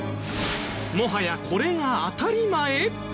もはやこれが当たり前！？